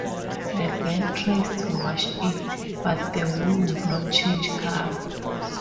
The girl tries to wash it, but the wool would not change color.